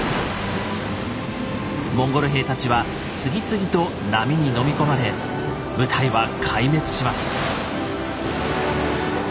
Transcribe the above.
モンゴル兵たちは次々と波にのみ込まれ部隊は壊滅します。